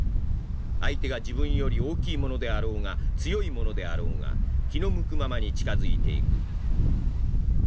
相手が自分より大きいものであろうが強いものであろうが気の向くままに近づいていく。